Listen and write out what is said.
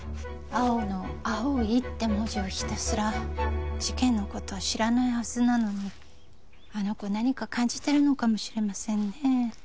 蒼生の「蒼い」って文字をひたすら事件のことは知らないはずなのにあの子何か感じてるのかもしれませんね